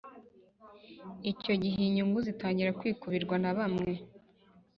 icyo gihe inyungu zitangira kwikubirwa na bamwe